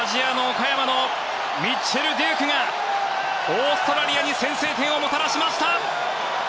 岡山のミッチェル・デュークがオーストラリアに先制点をもたらしました！